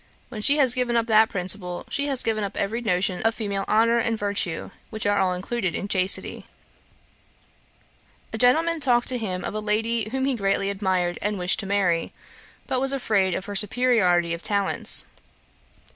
When she has given up that principle, she has given up every notion of female honour and virtue, which are all included in chastity.' A gentleman talked to him of a lady whom he greatly admired and wished to marry, but was afraid of her superiority of talents.